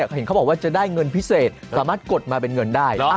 เห็นเขาบอกว่าจะได้เงินพิเศษสามารถกดมาเป็นเงินได้